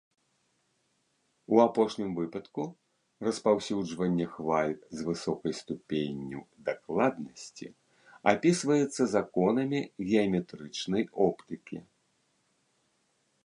У апошнім выпадку распаўсюджванне хваль з высокай ступенню дакладнасці апісваецца законамі геаметрычнай оптыкі.